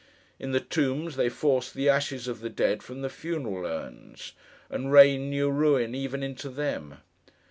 In the tombs, they forced the ashes of the dead from the funeral urns, and rained new ruin even into them.